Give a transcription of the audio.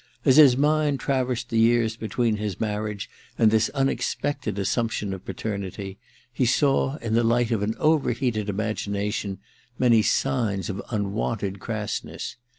As his mind traversed the years between his marriage and this unexpected assumption of paternity, he saw, in the light of an overheated imagination, many signs of unwonted crassness.